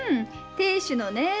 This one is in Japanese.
亭主のね。